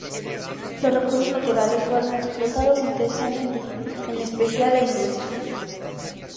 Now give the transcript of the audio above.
Los recursos naturales fueron explotados intensamente, en especial la industria.